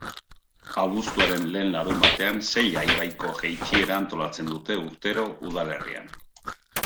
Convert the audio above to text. Abuztuaren lehen larunbatean Sella ibaiko jaitsiera antolatzen dute urtero udalerrian.